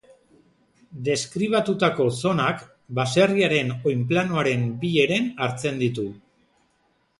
Deskribatutako zonak, baserriaren oinplanoaren bi heren hartzen ditu.